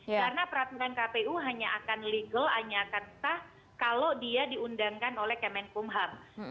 karena peraturan kpu hanya akan legal hanya akan sah kalau dia diundangkan oleh kemenkumham